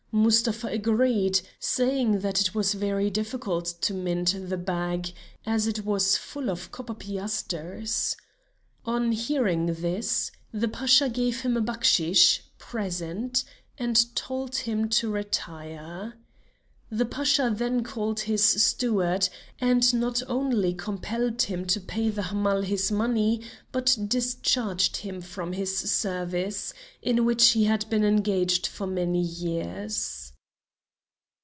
Mustapha agreed, saying that it was very difficult to mend the bag as it was full of copper piasters. On hearing this, the Pasha gave him a backsheesh (present) and told him to retire. The Pasha then called his steward, and not only compelled him to pay the Hamal his money, but discharged him from his service, in which he had been engaged for many years.